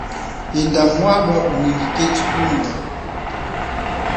Enda mwalwa unyingike chihunda.